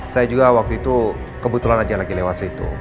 saya juga waktu itu kebetulan aja lagi lewat situ